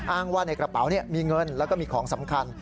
อ้างว่าในกระเป๋ามีเงินแล้วก็มีของสำคัญ